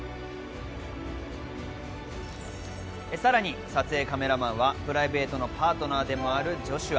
さらに撮影カメラマンはプライベートのパートナーでもあるジョシュア。